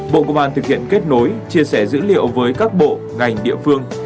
bộ công an thực hiện kết nối chia sẻ dữ liệu với các bộ ngành địa phương